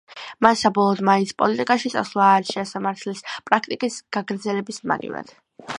მან საბოლოოდ მაინც პოლიტიკაში წასვლა არჩია, სამართლის პრაქტიკის გაგრძელების მაგივრად.